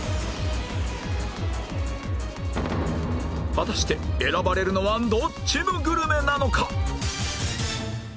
果たして選ばれるのはどっちのグルメなのか？